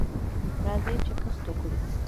راځئ چې کښت وکړو.